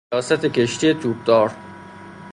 سیاست کشتی توپدار